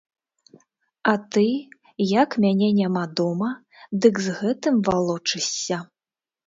А ты, як мяне няма дома, дык з гэтым валочышся!!